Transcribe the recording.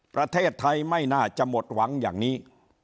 ประเทศไทยไม่น่าจะหมดหวังอย่างนี้